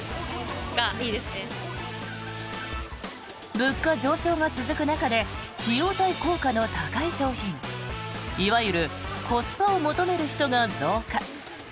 物価上昇が続く中で費用対効果の高い商品いわゆるコスパを求める人が増加。